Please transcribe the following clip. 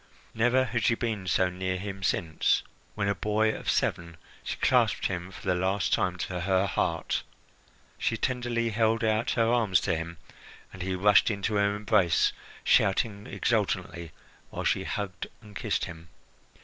Never had she been so near him since, when a boy of seven, she clasped him for the last time to her heart. She tenderly held out her arms to him, and he rushed into her embrace, shouting exultantly while she hugged and kissed him.